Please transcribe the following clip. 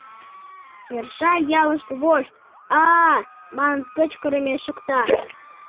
Нерша ялыш вошт «а-а!» манын кычкырыме шокта.